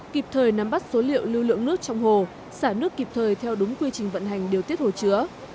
kịp thời nắm bắt số liệu lưu lượng nước trong hồ xả nước kịp thời theo đúng quy trình vận hành điều tiết hồ chứa